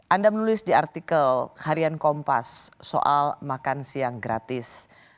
anda menulis di artikel harian kompas soal makan siang gratis